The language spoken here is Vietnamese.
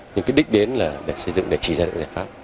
nhưng cái đích đến là để xây dựng để chỉ ra những giải pháp